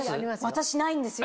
私ないんですよ。